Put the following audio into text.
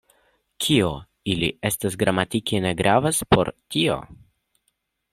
Kio ili estas gramatike, ne gravas por tio.